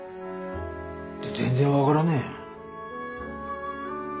全然分からねえ。